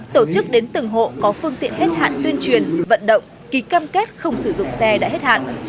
tổ chức đến từng hộ có phương tiện hết hạn tuyên truyền vận động ký cam kết không sử dụng xe đã hết hạn